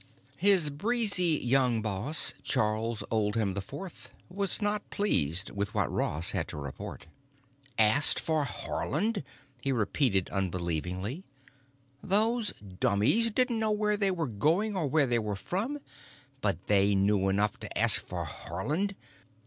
His breezy young boss, Charles Oldham IV, was not pleased with what Ross had to report. "Asked for Haarland!" he repeated unbelievingly. "Those dummies didn't know where they were going or where they were from, but they knew enough to ask for Haarland."